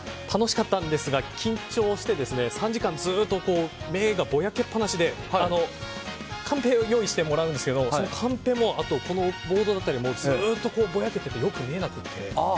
楽しかったんですが緊張して３時間ずっと目がぼやけっぱなしでカンペを用意してもらうんですがカンペもあと、このボードだったりがずっとぼやけててよく見えなくて。